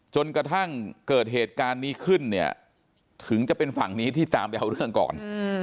จนกระทั่งเกิดเหตุการณ์นี้ขึ้นเนี่ยถึงจะเป็นฝั่งนี้ที่ตามไปเอาเรื่องก่อน